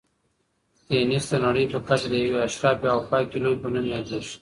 تېنس د نړۍ په کچه د یوې اشرافي او پاکې لوبې په نوم یادیږي.